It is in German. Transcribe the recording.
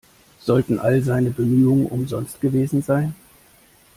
Sollten all seine Bemühungen umsonst gewesen sein?